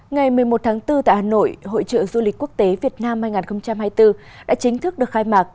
ngày một mươi một tháng bốn tại hà nội hội trợ du lịch quốc tế việt nam hai nghìn hai mươi bốn đã chính thức được khai mạc